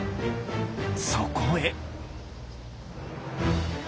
そこへ。